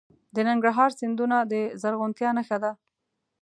د ننګرهار سیندونه د زرغونتیا نښه ده.